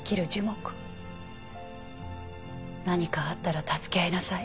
何かあったら助け合いなさい。